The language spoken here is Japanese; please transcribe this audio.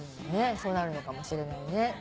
そうなるのかもしれないね。